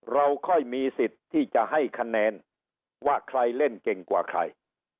เราค่อยมีสิทธิ์ที่จะให้คะแนนว่าใครเล่นเก่งกว่าใคร